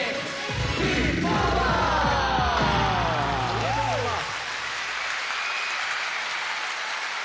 ありがとうございます。